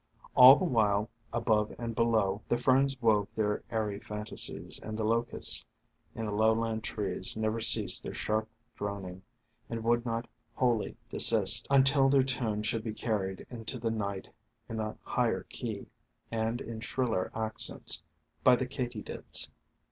All the while, above and below, the Ferns wove their airy fantasies, and the locusts in the lowland trees never ceased their sharp dron ing, and would not wholly desist until their tune should be carried into the night in a higher key, and in shriller accents, by the katydids.